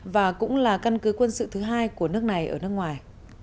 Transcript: và cũng là căn cứ quân sự thứ hai của nước này ở nước ngoài